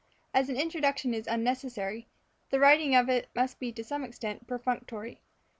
As an introduction is unnecessary, the writing of it must be to some extent perfunctory.